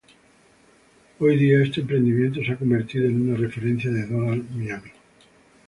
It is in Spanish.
Hoy día, este emprendimiento se ha convertido en una referencia en Doral, Miami.